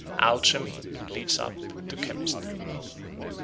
Alchemy leads up to chemistry.